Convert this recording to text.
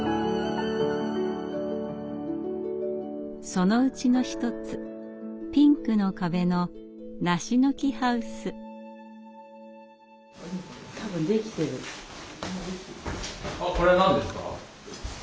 そのうちの一つピンクの壁のあっこれ何ですか？